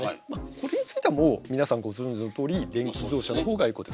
これについてはもう皆さんご存じのとおり電気自動車の方がエコです。